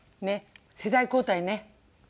ねっ世代交代ね。